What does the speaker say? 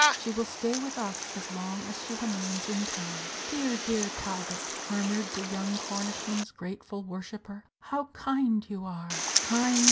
She will stay with us as long as she remains in town." "Dear, dear Talbot," murmured the young Cornishman's grateful worshipper, "how kind you are!" "Kind!"